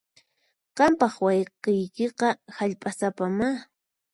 Qampaq wayqiykiqa hallp'asapamá.